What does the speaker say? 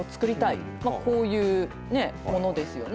まあこういうものですよね。